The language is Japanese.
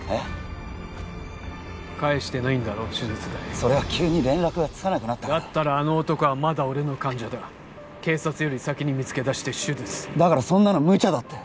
それは急に連絡がつかなくなったからだったらあの男はまだ俺の患者だ警察より先に見つけ出して手術するだからそんなのむちゃだって！